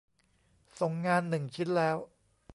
ส่งงานหนึ่งชิ้นแล้ว